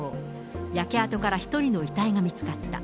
焼け跡から１人の遺体が見つかった。